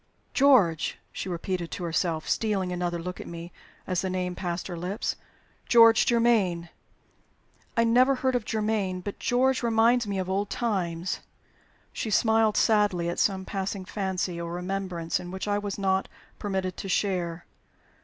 "George!" she repeated to herself, stealing another look at me as the name passed her lips. "'George Germaine.' I never heard of 'Germaine.' But 'George' reminds me of old times." She smiled sadly at some passing fancy or remembrance in which I was not permitted to share.